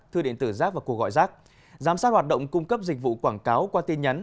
thư điện tử rác và cuộc gọi rác giám sát hoạt động cung cấp dịch vụ quảng cáo qua tin nhắn